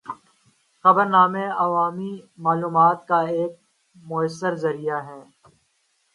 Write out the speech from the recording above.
خبرنامے عوامی معلومات کا ایک مؤثر ذریعہ ہیں۔